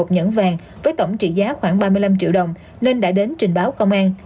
một nhẫn vàng với tổng trị giá khoảng ba mươi năm triệu đồng nên đã đến trình báo công an